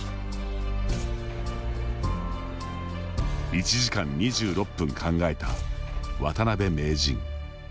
１時間２６分考えた渡辺名人。